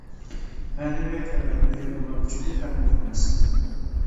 مەنىۋىيەت ۋە مەدەنىيەت ئۇلار ئۈچۈن ئىنتايىن مۇھىم نەرسە.